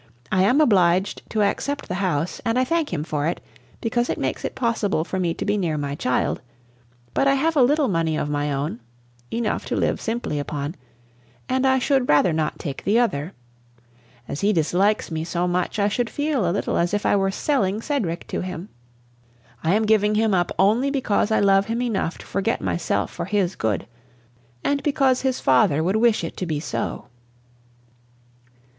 I am obliged to accept the house, and I thank him for it, because it makes it possible for me to be near my child; but I have a little money of my own, enough to live simply upon, and I should rather not take the other. As he dislikes me so much, I should feel a little as if I were selling Cedric to him. I am giving him up only because I love him enough to forget myself for his good, and because his father would wish it to be so." Mr.